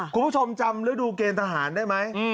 คุณผู้ชมจำฤดูเกณฑ์ทหารได้ไหม